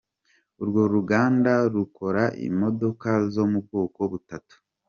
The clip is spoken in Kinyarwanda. Urwo ruganda rukora imodoka zo mu bwoko butatu.